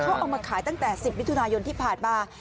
เขาเอามาขายตั้งแต่๑๐มิถุนายนที่ผ่านมา